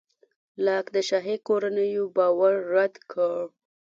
لاک د شاهي کورنیو باور رد کړ.